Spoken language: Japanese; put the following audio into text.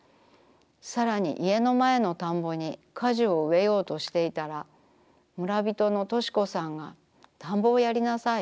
さらに家のまえの田んぼに果樹を植えようとしていたら村びとのとしこさんが田んぼをやりなさい。